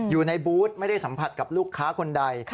อยู่ในบูธไม่ได้สัมผัสกับลูกค้าคนใด